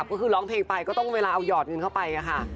ก็คือร้องเพลงไปก็ต้องเวลาเอาหยอดเงินเข้าไปค่ะ